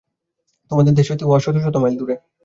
তোমাদের দেশ হইতে উহা শত শত মাইল দূরে।